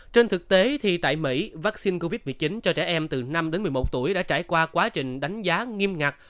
trên thực tế thì tại mỹ vaccine covid một mươi chín cho trẻ em từ năm đến một mươi một tuổi đã trải qua quá trình đánh giá nghiêm ngặt